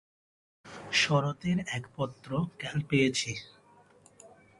শরতের এক পত্র কাল পেয়েছি।